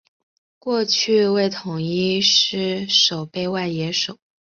过去为统一狮守备外野手。